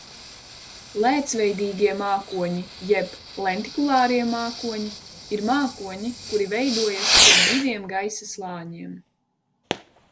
Lēcveidīgie mākoņi jeb lentikulārie mākoņi ir mākoņi, kuri veidojas starp diviem gaisa slāņiem.